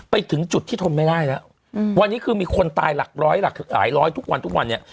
ไปถึงจุดที่ทนไม่ได้แล้ววันนี้คือมีคนตายหลักร้อยหลักหลายร้อยทุกวันทุกวันเนี่ย